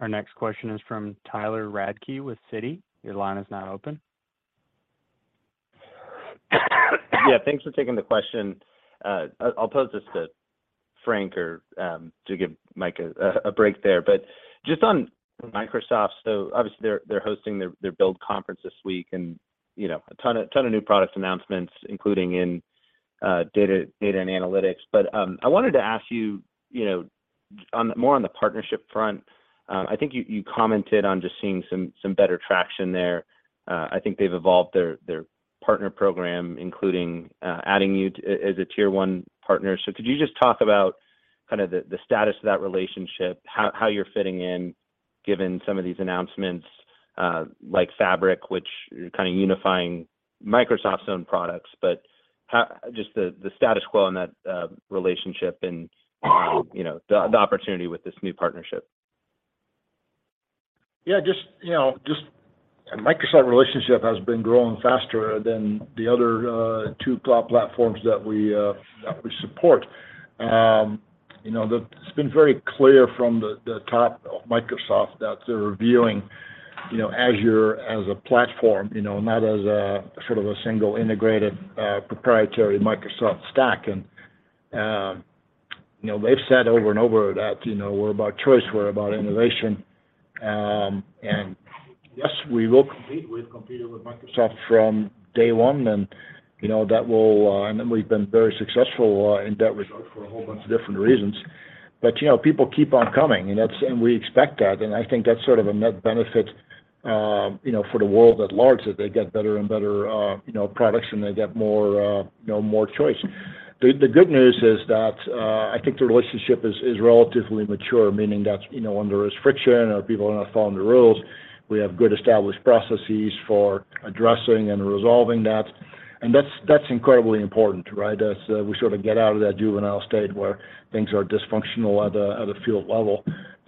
Our next question is from Tyler Radke with Citi. Your line is now open. Yeah. Thanks for taking the question. I'll pose this to Frank or to give Mike a break there. Just on Microsoft, obviously they're hosting their Microsoft Build conference this week and, you know, a ton of new product announcements, including in data and analytics. I wanted to ask you know, more on the partnership front, I think you commented on just seeing some better traction there. I think they've evolved their partner program, including adding you to as a tier one partner. Could you just talk about kind of the status of that relationship, how you're fitting in given some of these announcements, like Fabric, which you're kind of unifying Microsoft's own products, just the status quo on that relationship and, you know, the opportunity with this new partnership? Yeah. Just, you know, just the Microsoft relationship has been growing faster than the other two cloud platforms that we support. You know, it's been very clear from the top of Microsoft that they're viewing, you know, Azure as a platform, you know, not as a sort of a single integrated proprietary Microsoft stack. You know, they've said over and over that, you know, we're about choice, we're about innovation. Yes, we will compete. We've competed with Microsoft from day one, and, you know, that will, and then we've been very successful in that regard for a whole bunch of different reasons. You know, people keep on coming, and that's and we expect that. I think that's sort of a net benefit, you know, for the world at large, that they get better and better, you know, products and they get more, you know, more choice. The good news is that, I think the relationship is relatively mature, meaning that, you know, when there is friction or people are not following the rules, we have good established processes for addressing and resolving that. That's incredibly important, right? As, we sort of get out of that juvenile state where things are dysfunctional at a field level.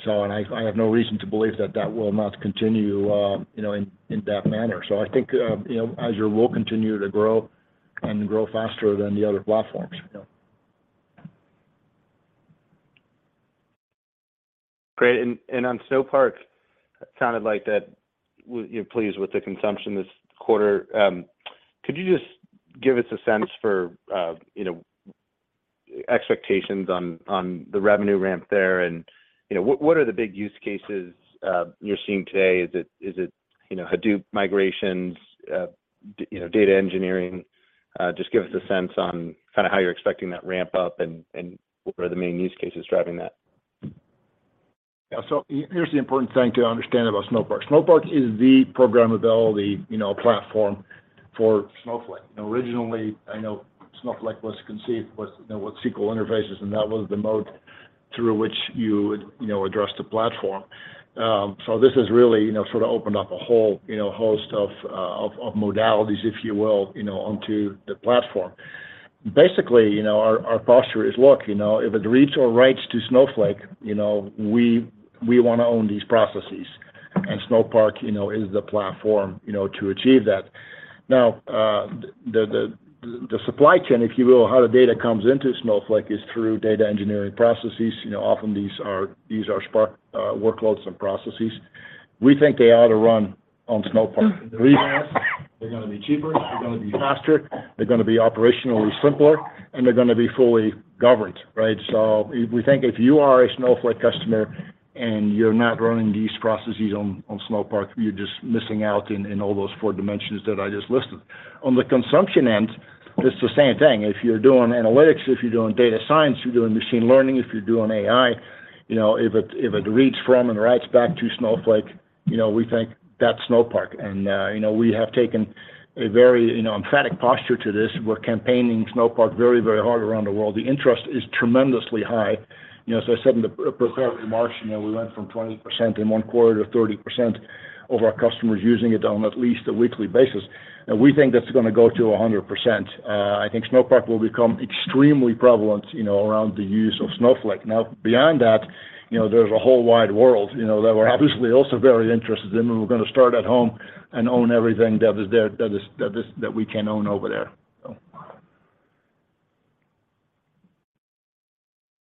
I have no reason to believe that that will not continue, you know, in that manner. I think, you know, Azure will continue to grow and grow faster than the other platforms. Yeah. Great. On Snowpark, it sounded like that you're pleased with the consumption this quarter. Could you just give us a sense for, you know, expectations on the revenue ramp there? You know, what are the big use cases you're seeing today? Is it, you know, Hadoop migrations, you know, data engineering? Just give us a sense on kinda how you're expecting that ramp up and what are the main use cases driving that. Yeah. Here's the important thing to understand about Snowpark. Snowpark is the programmability, you know, platform for Snowflake. You know, originally, I know Snowflake was conceived with, you know, with SQL interfaces, and that was the mode through which you would, you know, address the platform. This has really, you know, sort of opened up a whole, you know, host of modalities, if you will, you know, onto the platform. Basically, you know, our posture is, look, you know, if it reads or writes to Snowflake, you know, we wanna own these processes, and Snowpark, you know, is the platform, you know, to achieve that. Now, the supply chain, if you will, how the data comes into Snowflake is through data engineering processes. You know, often these are Spark workloads and processes. We think they ought to run on Snowpark. They're easier, they're gonna be cheaper, they're gonna be faster, they're gonna be operationally simpler, and they're gonna be fully governed, right? We think if you are a Snowflake customer and you're not running these processes on Snowpark, you're just missing out in all those four dimensions that I just listed. On the consumption end, it's the same thing. If you're doing analytics, if you're doing data science, you're doing machine learning, if you're doing AI, you know, if it reads from and writes back to Snowflake, you know, we think that's Snowpark. You know, we have taken a very, you know, emphatic posture to this. We're campaigning Snowpark very, very hard around the world. The interest is tremendously high. You know, as I said in the prepared remarks, you know, we went from 20% in 1 quarter to 30% of our customers using it on at least a weekly basis, and we think that's gonna go to 100%. I think Snowpark will become extremely prevalent, you know, around the use of Snowflake. Beyond that, you know, there's a whole wide world, you know, that we're obviously also very interested in, and we're gonna start at home and own everything that is there, that is, that we can own over there, so.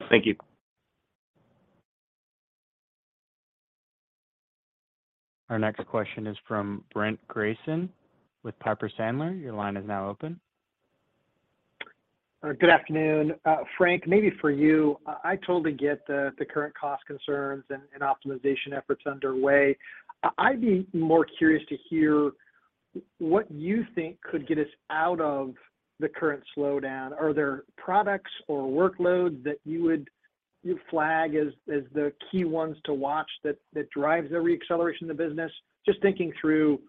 Thank you. Our next question is from Brent Bracelin with Piper Sandler. Your line is now open. Good afternoon. Frank, maybe for you. I totally get the current cost concerns and optimization efforts underway. I'd be more curious to hear what you think could get us out of the current slowdown. Are there products or workloads that you would flag as the key ones to watch that drives the re-acceleration of the business? Just thinking through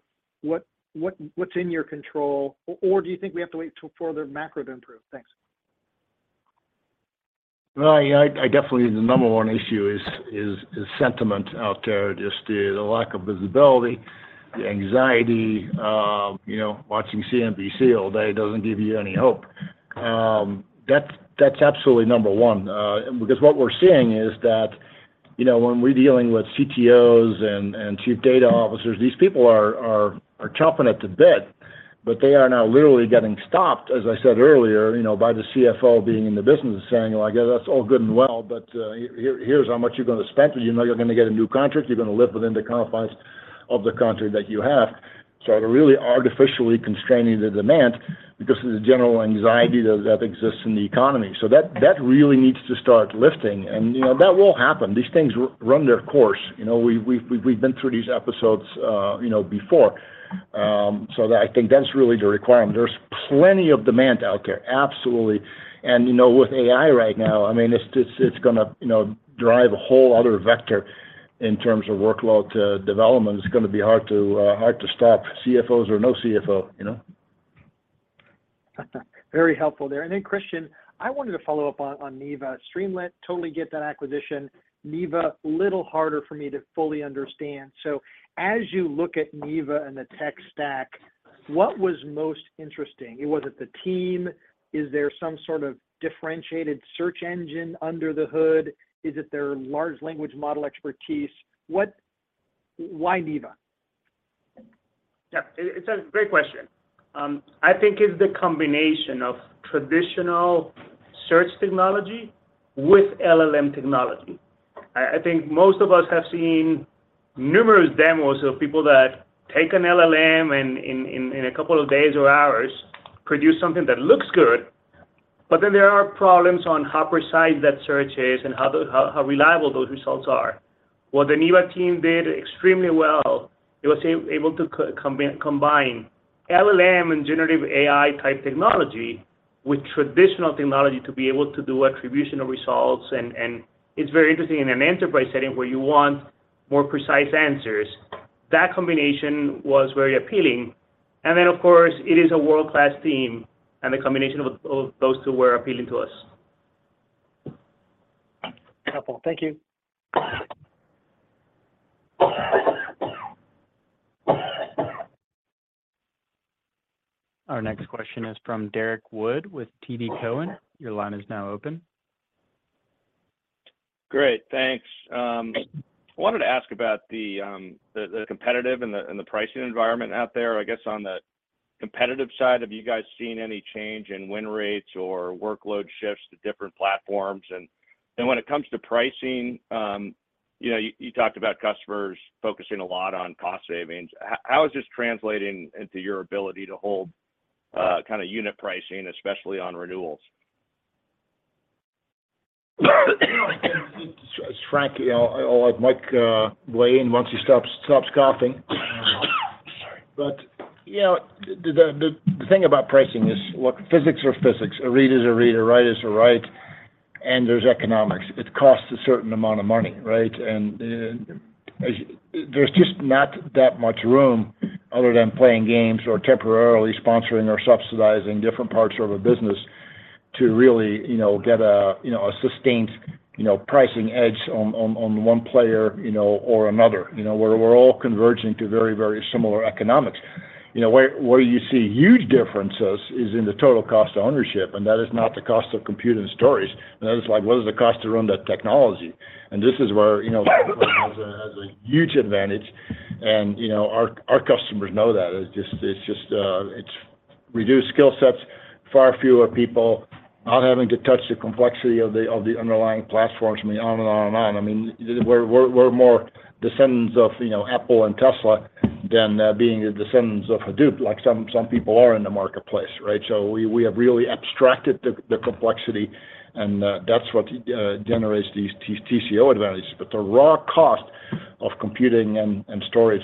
what's in your control or do you think we have to wait till further macro to improve? Thanks. Yeah, I definitely, the number one issue is sentiment out there, just the lack of visibility, the anxiety. You know, watching CNBC all day doesn't give you any hope. That's absolutely number one, because what we're seeing is that, you know, when we're dealing with CTOs and chief data officers, these people are chopping up to bit, but they are now literally getting stopped, as I said earlier, you know, by the Chief Financial Officer being in the business saying, "Well, I guess that's all good and well, but here's how much you're gonna spend. You know you're gonna get a new contract, you're gonna live within the confines of the contract that you have." They're really artificially constraining the demand because of the general anxiety that exists in the economy. That really needs to start lifting and, you know, that will happen. These things run their course. You know, we've been through these episodes, you know, before. I think that's really the requirement. There's plenty of demand out there. Absolutely. You know, with AI right now, I mean, it's gonna, you know, drive a whole other vector in terms of workload to development. It's gonna be hard to stop CFOs or no CFO, you know? Very helpful there. Christian, I wanted to follow up on Neeva. Streamlit, totally get that acquisition. Neeva, little harder for me to fully understand. As you look at Neeva and the tech stack, what was most interesting? Was it the team? Is there some sort of differentiated search engine under the hood? Is it their large language model expertise? What why Neeva? Yeah, it's a great question. I think it's the combination of traditional search technology with LLM technology. I think most of us have seen numerous demos of people that take an LLM and in a couple of days or hours produce something that looks good. There are problems on how precise that search is and how reliable those results are. What the Neeva team did extremely well, it was able to combine LLM and generative AI type technology with traditional technology to be able to do attributional results and it's very interesting in an enterprise setting where you want more precise answers. That combination was very appealing. Of course, it is a world-class team, and the combination of those two were appealing to us. Helpful. Thank you. Our next question is from Derrick Wood with TD Cowen. Your line is now open. Great, thanks. I wanted to ask about the, the competitive and the, and the pricing environment out there. I guess on the competitive side, have you guys seen any change in win rates or workload shifts to different platforms? When it comes to pricing, you know, you talked about customers focusing a lot on cost savings. How is this translating into your ability to hold, kinda unit pricing, especially on renewals? It's Frank. I'll let Mike weigh in once he stops coughing. Sorry. You know, the thing about pricing is, look, physics are physics. A read is a read, a write is a write, and there's economics. It costs a certain amount of money, right? There's just not that much room other than playing games or temporarily sponsoring or subsidizing different parts of a business to really, you know, get a, you know, a sustained, you know, pricing edge on one player, you know, or another. You know, we're all converging to very, very similar economics. You know, where you see huge differences is in the total cost of ownership, and that is not the cost of compute and storage. That is like, "What is the cost to run that technology?" This is where, you know, Snowflake has a huge advantage and, you know, our customers know that. It's just reduced skill sets, far fewer people, not having to touch the complexity of the underlying platforms, I mean, on and on and on. I mean, we're more descendants of, you know, Apple and Tesla than being the descendants of Hadoop, like some people are in the marketplace, right? We have really abstracted the complexity and that's what generates these TCO advantages. The raw cost of computing and storage,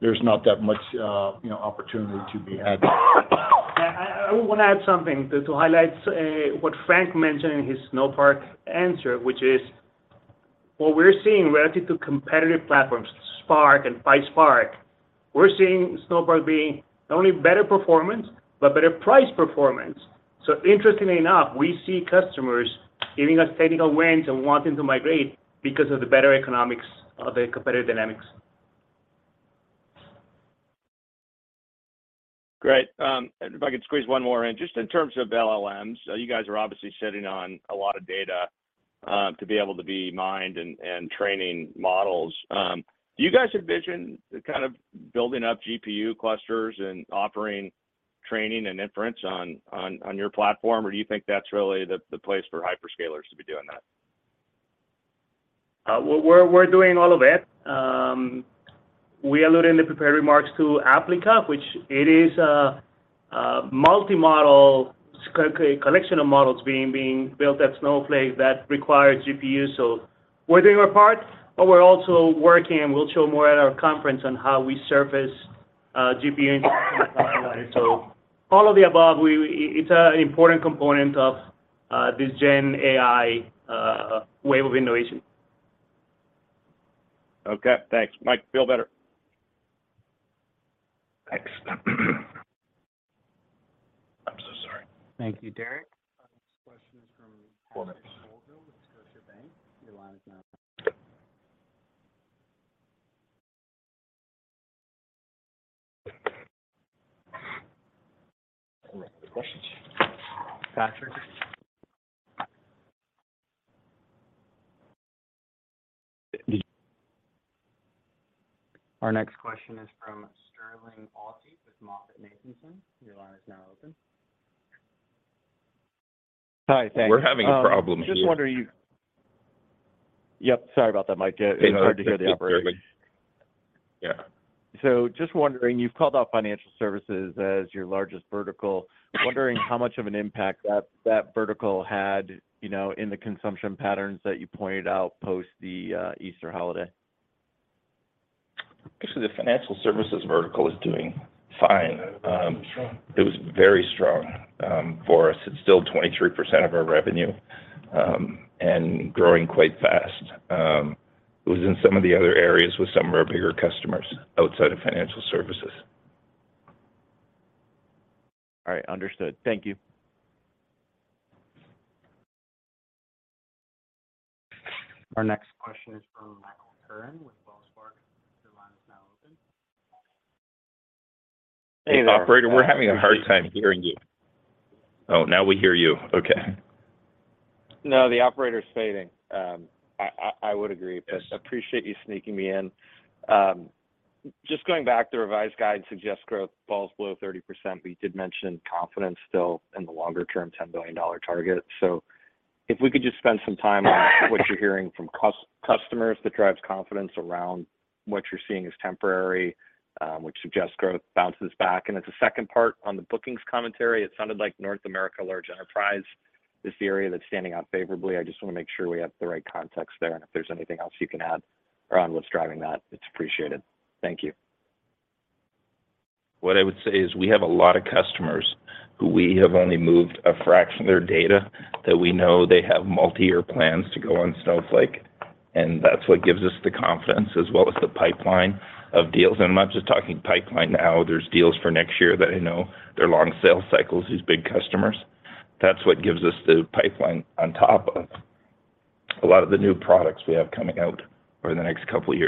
there's not that much, you know, opportunity to be had. I wanna add something to highlight what Frank mentioned in his Snowpark answer, which is what we're seeing relative to competitive platforms, Spark and PySpark, we're seeing Snowpark being not only better performance, but better price performance. Interestingly enough, we see customers giving us technical wins and wanting to migrate because of the better economics of the competitive dynamics. Great. If I could squeeze one more in. Just in terms of LLMs, you guys are obviously sitting on a lot of data, to be able to be mined and training models. Do you guys envision the kind of building up GPU clusters and offering training and inference on, on your platform? Or do you think that's really the place for hyperscalers to be doing that? We're doing all of it. We alluded in the prepared remarks to Applica, which it is a multi-model collection of models being built at Snowflake that require GPU. We're doing our part, but we're also working, and we'll show more at our conference, on how we surface GPU. All of the above, it's an important component of this gen AI wave of innovation. Okay, thanks. Mike, feel better. Thanks. I'm so sorry. Thank you. Derek? Next question is from Patrick Colville with Scotiabank. Your line is now open. Any other questions? Patrick? Our next question is from Sterling Auty with MoffettNathanson. Your line is now open. Hi. Thanks. We're having a problem here. Just wondering. Yep, sorry about that, Mike. Yeah, it was hard to hear the operator. Yeah. Just wondering, you've called out financial services as your largest vertical. I'm wondering how much of an impact that vertical had, you know, in the consumption patterns that you pointed out post the Easter holiday? Actually, the financial services vertical is doing fine. It was very strong for us. It's still 23% of our revenue, and growing quite fast. It was in some of the other areas with some of our bigger customers outside of financial services. All right, understood. Thank you. Our next question is from Michael Turrin with Wells Fargo. Your line is now open. Hey, operator, we're having a hard time hearing you. Oh, now we hear you. Okay. No, the operator's fading. I would agree. Yes. Appreciate you sneaking me in. Just going back, the revised guide suggests growth falls below 30%, but you did mention confidence still in the longer term $10 billion target. If we could just spend some time on what you're hearing from customers that drives confidence around what you're seeing is temporary, which suggests growth bounces back. As a second part on the bookings commentary, it sounded like North America large enterprise is the area that's standing out favorably. I just wanna make sure we have the right context there, and if there's anything else you can add around what's driving that, it's appreciated. Thank you. What I would say is we have a lot of customers who we have only moved a fraction of their data that we know they have multi-year plans to go on Snowflake. That's what gives us the confidence as well as the pipeline of deals. I'm not just talking pipeline now. There's deals for next year that I know they're long sales cycles, these big customers. That's what gives us the pipeline on top of a lot of the new products we have coming out over the next couple years.